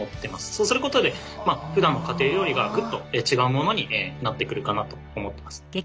そうすることでふだんの家庭料理がぐっと違うものになってくるかなと思ってます。